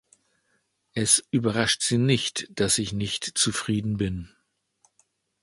Es überrascht Sie nicht, dass ich nicht zufrieden bin.